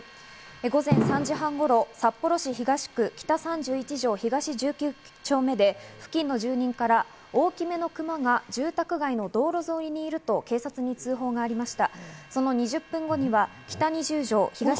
午前３時半頃、札幌市東区北３１条東１９丁目で付近の住民から大きめのクマが住宅街の道路沿いにいると警察に通報がありました。